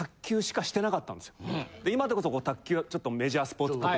今でこそ卓球ちょっとメジャースポーツっぽく。